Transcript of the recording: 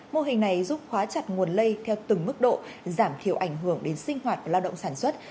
mô hình này giúp khóa chặt nguồn lây theo từng mức độ giảm thiểu ảnh hưởng đến sinh hoạt và lao động sản xuất